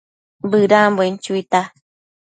Bëdambuen chuita